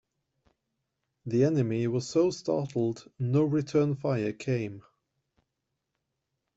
The enemy was so startled no return fire came.